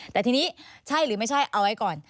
แต่ทีนี้ใช่หรือไม่ใช่เอาไว้ก่อน